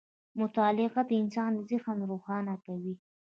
• مطالعه د انسان ذهن روښانه کوي.